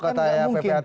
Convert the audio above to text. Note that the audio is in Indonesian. ini kan gak mungkin